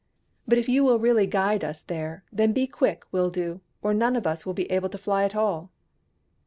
" But if you will really guide us there, then be quick, Wildoo, or none of us will be able to fly at all."